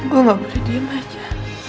gue gak beli diem aja